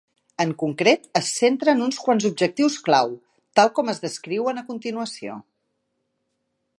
En concret, es centra en uns quants objectius clau, tal com es descriuen a continuació.